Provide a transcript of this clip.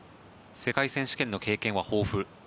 世界選手権の経験は豊富。